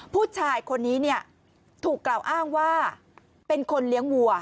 ผู้ชายคนนี้เนี่ยถูกกล่าวอ้างว่าเป็นคนเลี้ยงวัว